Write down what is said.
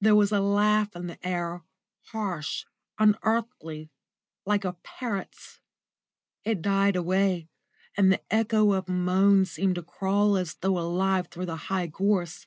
There was a laugh in the air, harsh, unearthly, like a parrot's. It died away, and the echo of a moan seemed to crawl as though alive through the high gorse.